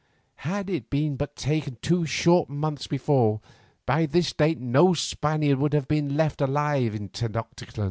Had it been taken but two short months before, by this date no Spaniard would have been left alive in Tenoctitlan.